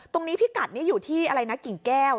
ตรงนี้พี่กัดอยู่ที่อะไรนะกิ่งแก้ว